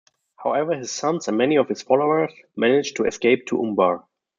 However his sons and many of his followers managed to escape to Umbar.